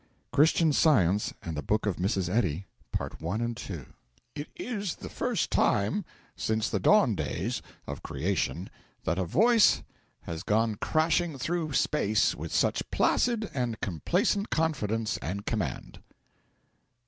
CHRISTIAN SCIENCE AND THE BOOK OF MRS. EDDY 'It is the first time since the dawn days of Creation that a Voice has gone crashing through space with such placid and complacent confidence and command.'